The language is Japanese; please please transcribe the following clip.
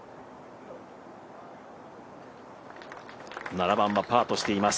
７番はパーとしています。